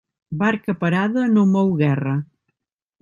Barca parada no mou guerra.